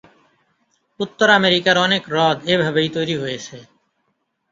উত্তর আমেরিকার অনেক হ্রদ এভাবেই তৈরি হয়েছে।